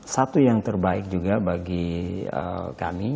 satu yang terbaik juga bagi kami